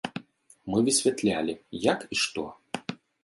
Мы высвятлялі, як і што.